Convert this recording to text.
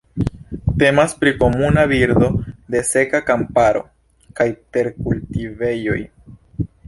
Temas pri komuna birdo de seka kamparo kaj terkultivejoj.